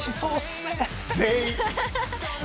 全員。